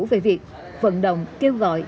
về việc vận động kêu gọi